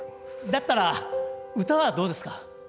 だったら唄はどうですか？